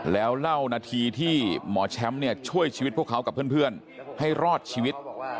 แล้วเล่านาทีที่หมอแชมป์เนี่ยช่วยชีวิตพวกเขากับเพื่อนให้รอดชีวิต